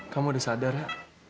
kamu udah sadar ya